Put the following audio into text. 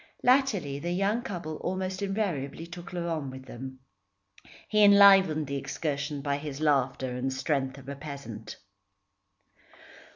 Latterly the young couple almost invariably took Laurent with them. He enlivened the excursion by his laughter and strength of a peasant.